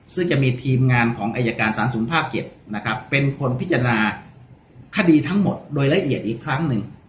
ซึ่งจะมีทีมงานของอายการสารสูงภาค๗นะครับเป็นคนพิจารณาคดีทั้งหมดโดยละเอียดอีกครั้งหนึ่ง